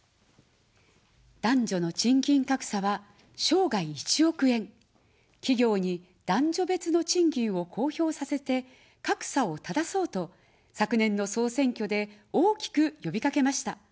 男女の賃金格差は生涯１億円、企業に男女別の賃金を公表させて、格差をただそうと昨年の総選挙で大きくよびかけました。